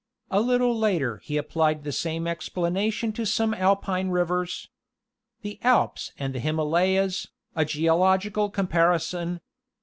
A little later, he applied the same Hadmetion to some Alpine rivers. The Alps and the Himalayas, a geological com parison.